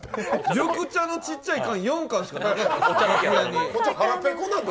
緑茶の小っちゃい缶４缶しかなかった。